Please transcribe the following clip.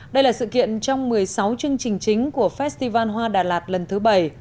đây là sự kiện trong một mươi sáu chương trình chính của festival hoa đà lạt lần thứ bảy